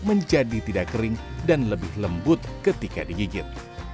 menjadi tidak kering dan lebih lembut ketika digigit